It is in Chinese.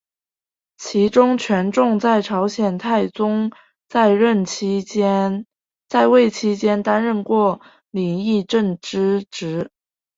其中权仲和在朝鲜太宗在位期间担任过领议政之职。